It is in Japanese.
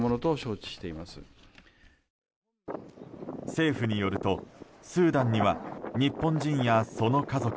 政府によると、スーダンには日本人やその家族